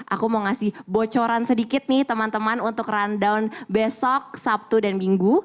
aku mau ngasih bocoran sedikit nih teman teman untuk rundown besok sabtu dan minggu